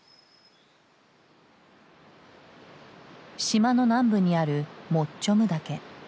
島の南部にあるモッチョム岳。